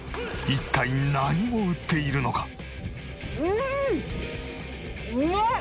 一体何を売っているのか！？